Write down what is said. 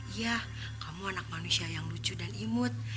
iya kamu anak manusia yang lucu dan imut